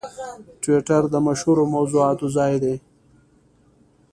ټویټر د مشهورو موضوعاتو ځای دی.